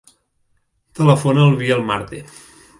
Telefona al Biel Marte.